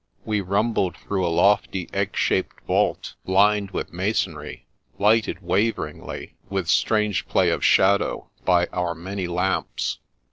We rumbled through a lofty egg shaped vault, lined with masonry, lighted waveringly, with strange play of shadow, by our many lamps.